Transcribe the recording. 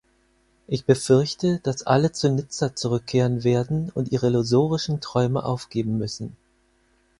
Ich befürchte, dass alle zu Nizza zurückkehren werden und ihre illusorischen Träume aufgeben müssen.